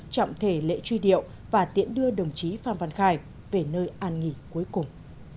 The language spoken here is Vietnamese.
trọng thể lễ truy điệu và tiễn đưa đồng chí phan văn khải về nơi an nghỉ cuối cùng